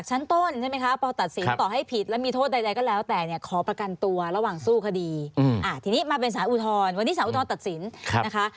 อันนี้สารอุทธรณ์ตัดสินนะคะ